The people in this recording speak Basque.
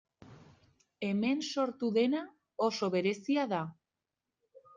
Hemen sortu dena oso berezia da.